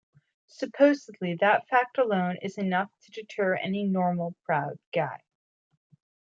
Supposedly, that fact alone is enough to deter any normal, proud guy.